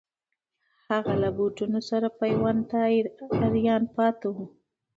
هغه له بوټو سره پیوند ته آریان پاتې وو.